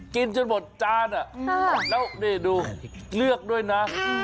จนหมดจานแล้วนี่ดูเลือกด้วยนะ